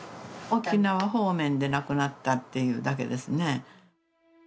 沖縄方面で亡くなったっていうだけですね。